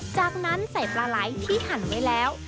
จากนั้นใส่ปลาไหลที่หั่นไว้แล้ว